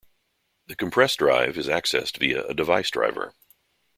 The compressed drive is accessed via a device driver.